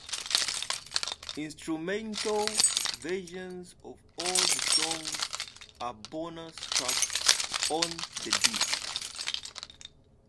Instrumental versions of all the songs are bonus tracks on the disc.